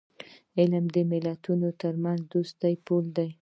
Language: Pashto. علم د ملتونو ترمنځ د دوستی پل دی.